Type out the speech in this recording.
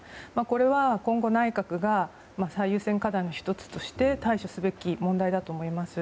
これは今後、内閣が最優先課題の１つとして対処すべき問題だと思います。